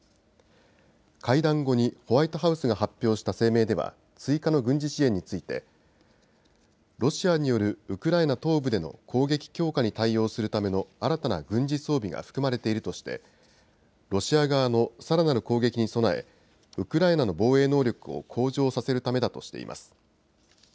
会談後にホワイトハウスが発表した声明では追加の軍事支援についてロシアによるウクライナ東部での攻撃強化に対応するための新たな軍事装備が含まれているとしてロシア側のさらなる攻撃に備えウクライナの防衛能力を向上させるためだとしています。